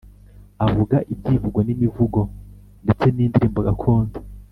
avuga ibyivugo n’imivugo ndetse n’indirimbo gakondo.